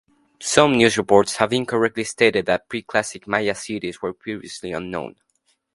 Some news reports have incorrectly stated that Pre-Classic Maya cities were previously unknown.